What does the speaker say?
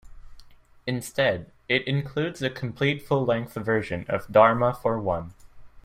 Instead, it includes the complete full-length version of "Dharma for One".